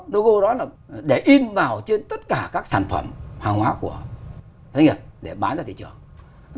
logo đó là để in vào trên tất cả các sản phẩm hàng hóa của doanh nghiệp để bán ra thị trường